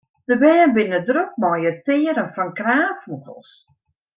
De bern binne drok mei it tearen fan kraanfûgels.